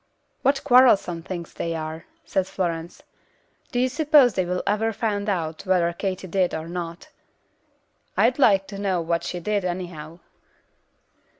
"What quarrelsome things they are," said Florence. "Do you suppose they will ever find out whether katy did or not? I'd like to know what she did, anyhow."